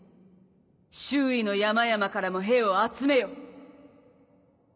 周囲の山々からも兵を集めよう。